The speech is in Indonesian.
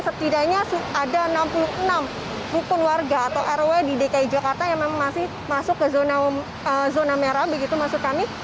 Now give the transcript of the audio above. setidaknya ada enam puluh enam rukun warga atau rw di dki jakarta yang memang masih masuk ke zona merah begitu maksud kami